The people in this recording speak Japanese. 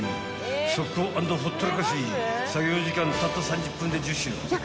［速攻＆ほったらかし作業時間たった３０分で１０品］